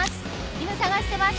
犬探してます。